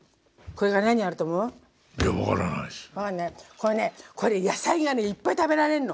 これね野菜がねいっぱい食べられんの。